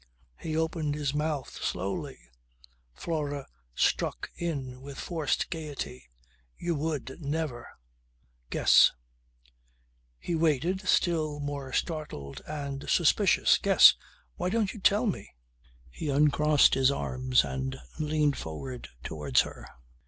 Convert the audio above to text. He opened his mouth slowly. Flora struck in with forced gaiety. "You would never, guess." He waited, still more startled and suspicious. "Guess! Why don't you tell me?" He uncrossed his arms and leaned forward towards her.